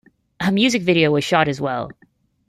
A music video was shot as well.